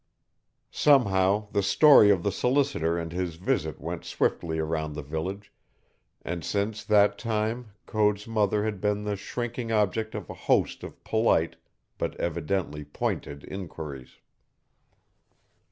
Somehow the story of the solicitor and his visit went swiftly around the village, and since that time Code's mother had been the shrinking object of a host of polite but evidently pointed inquiries.